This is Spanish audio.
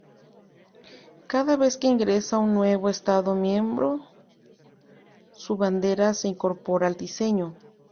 Cada vez que ingresa un nuevo Estado miembro, su bandera se incorpora al diseño.